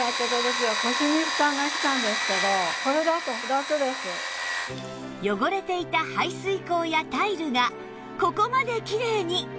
早速汚れていた排水口やタイルがここまできれいに